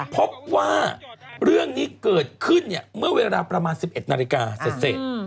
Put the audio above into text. พบว่าเรื่องนี้เกิดขึ้นเมื่อเวลาประมาณ๑๑นาฬิกาเสร็จ